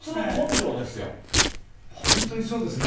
本当にそうですね。